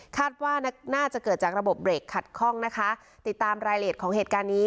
ว่าน่าจะเกิดจากระบบเบรกขัดข้องนะคะติดตามรายละเอียดของเหตุการณ์นี้